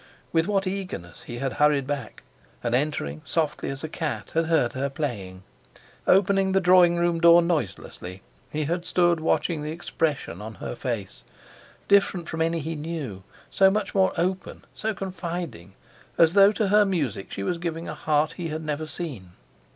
With what eagerness he had hurried back; and, entering softly as a cat, had heard her playing. Opening the drawing room door noiselessly, he had stood watching the expression on her face, different from any he knew, so much more open, so confiding, as though to her music she was giving a heart he had never seen.